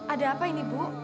ada apa ini bu